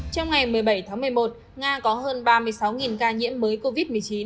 trong ngày một mươi bảy tháng một mươi một nga có hơn ba mươi sáu ca nhiễm mới covid một mươi chín